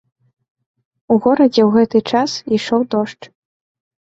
У горадзе ў гэты час ішоў дождж.